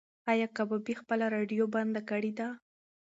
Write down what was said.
ایا کبابي خپله راډیو بنده کړې ده؟